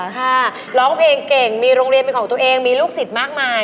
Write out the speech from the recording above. ค่ะร้องเพลงเก่งมีโรงเรียนเป็นของตัวเองมีลูกศิษย์มากมาย